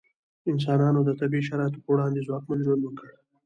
انسانانو د طبیعي شرایطو په وړاندې ځواکمن ژوند وکړ.